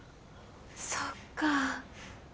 そっか。